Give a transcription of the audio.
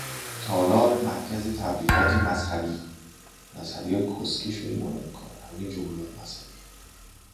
تالار مرکز تبلیغات مذهبی